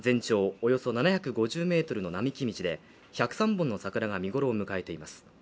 およそ７５０ｍの並木道で１０３本の桜が見頃を迎えています。